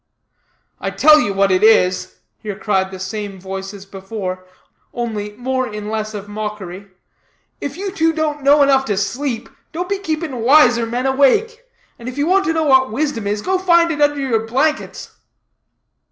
"I tell you what it is," here cried the same voice as before, only more in less of mockery, "if you two don't know enough to sleep, don't be keeping wiser men awake. And if you want to know what wisdom is, go find it under your blankets."